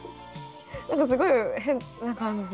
何かすごい変な感じ